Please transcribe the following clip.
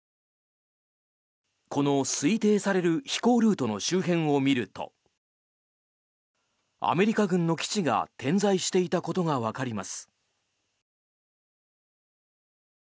この推定される飛行ルートの周辺を見るとアメリカ軍の基地が点在していたことがわかります。